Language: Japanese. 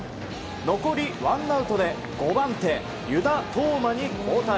残りワンアウトで５番手、湯田統真に交代。